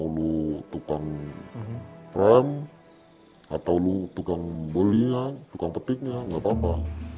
lu tukang rem atau lu tukang bolinya tukang petiknya nggak apa apa